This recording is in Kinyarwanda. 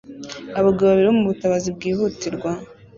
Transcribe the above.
Abagabo babiri bo mubutabazi bwihutirwa